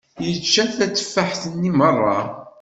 Yečča tateffaḥt-nni merra.